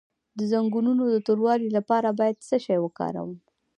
د زنګونونو د توروالي لپاره باید څه شی وکاروم؟